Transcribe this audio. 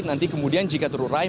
nanti kemudian jika terurai